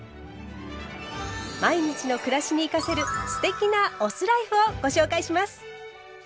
毎日の暮らしに生かせる“酢テキ”なお酢ライフをご紹介します。